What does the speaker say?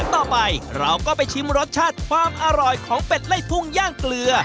ต่อไปเราก็ไปชิมรสชาติความอร่อยของเป็ดไล่ทุ่งย่างเกลือ